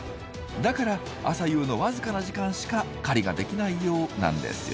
だから朝夕の僅かな時間しか狩りができないようなんですよ。